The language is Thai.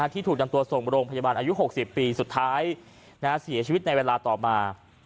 ที่ถูกนำตัวส่งโรงพยาบาลอายุ๖๐ปีสุดท้ายเสียชีวิตในเวลาต่อมา